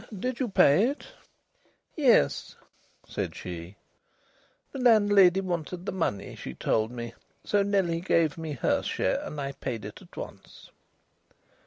"Did you pay it?" "Yes," said she. "The landlady wanted the money, she told me. So Nellie gave me her share, and I paid it at once."